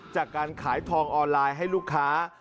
จากการขายทองออนไลน์ให้ลูกค้า